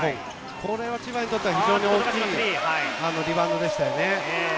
これは千葉にとっては非常に大きいリバウンドでした。